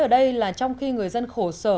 ở đây là trong khi người dân khổ sở